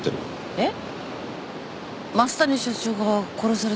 えっ？